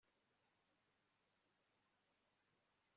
bahawe n'imigi yose yo ku murambi